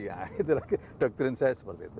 ya itu lagi doktrin saya seperti itu